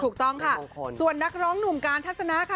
ถูกต้องค่ะส่วนนักร้องหนุ่มการทัศนะค่ะ